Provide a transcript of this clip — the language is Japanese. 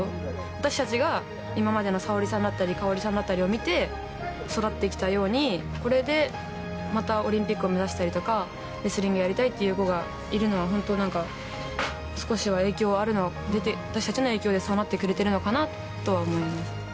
私たちが今までの沙保里さんだったり、馨さんだったりを見て育ってきたように、これでまたオリンピックを目指したりとか、レスリングやりたいという子がいるのは本当なんか、少しは影響ある、私たちの影響でそうなってくれているのかなとは思います。